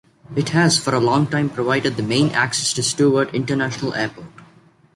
It has for a long time provided the main access to Stewart International Airport.